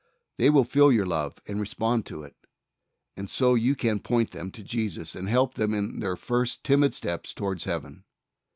They will feel your love and respond to it, and so you can point them to Jesus and help them in their first timid steps toward Heaven.